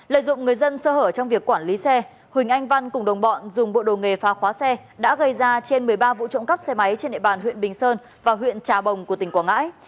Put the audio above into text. lợi dụng người dân sơ hở trong việc quản lý xe huỳnh anh văn cùng đồng bọn dùng bộ đồ nghề phá khóa xe đã gây ra trên một mươi ba vụ trộm cắp xe máy trên địa bàn huyện bình sơn và huyện trà bồng của tỉnh quảng ngãi